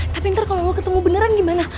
tapi ntar kalo lo ketemu beneran gimana